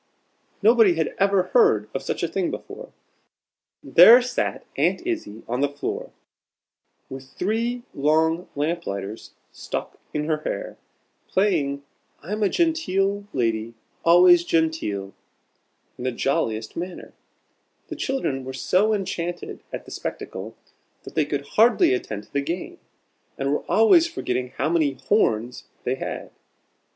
Nobody had ever heard of such a thing before! There sat Aunt Izzie on the floor, with three long lamp lighters stuck in her hair, playing, "I'm a genteel Lady, always genteel," in the jolliest manner possible. The children were so enchanted at the spectacle, that they could hardly attend to the game, and were always forgetting how many "horns" they had.